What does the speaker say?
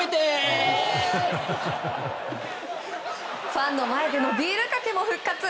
ファンの前でのビールかけも復活。